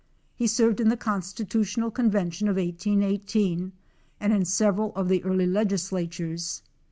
He served in the Constitutional convention of 1818 and in several of the early legislatures.